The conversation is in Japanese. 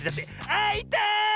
あいたい！